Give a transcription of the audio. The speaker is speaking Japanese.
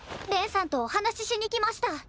恋さんとお話ししに来ました。